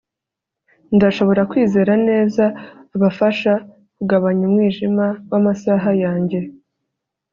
ndashobora kwizera neza abafasha kugabanya umwijima w'amasaha yanjye